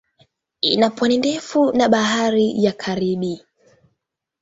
Ina pwani ndefu na Bahari ya Karibi.